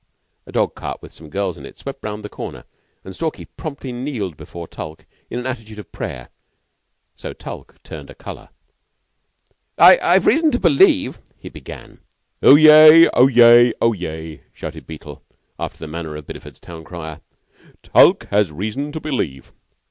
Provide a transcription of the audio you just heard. A dog cart with some girls in it swept round the corner, and Stalky promptly kneeled before Tulke in the attitude of prayer; so Tulke turned a color. "I've reason to believe " he began. "Oyez! Oyez! Oyez!" shouted Beetle, after the manner of Bideford's town crier, "Tulke has reason to believe!